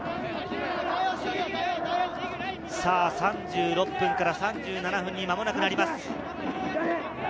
３６分から３７分になります。